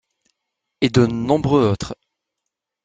Et de nombreux autres.